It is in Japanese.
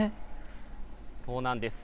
そうなんです。